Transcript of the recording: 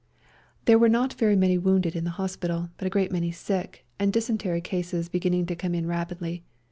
There were not very many wounded in the hospital, but a great many sick, and dysentery cases beginning to come in rapidly.